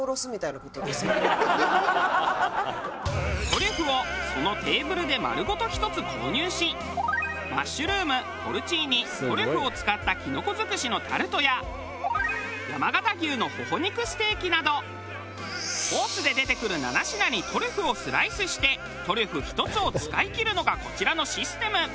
トリュフをそのテーブルで丸ごと１つ購入しマッシュルームポルチーニトリュフを使ったきのこづくしのタルトや山形牛のほほ肉ステーキなどコースで出てくる７品にトリュフをスライスしてトリュフ１つを使いきるのがこちらのシステム。